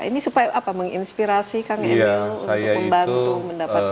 ini supaya apa menginspirasi kang emil untuk membantu mendapatkan